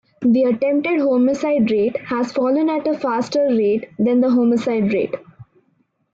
The attempted homicide rate has fallen at a faster rate than the homicide rate.